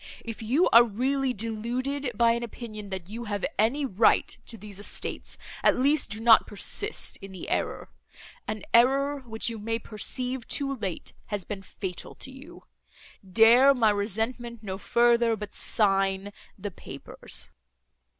—If you are really deluded by an opinion, that you have any right to these estates, at least, do not persist in the error—an error, which you may perceive, too late, has been fatal to you. Dare my resentment no further, but sign the papers."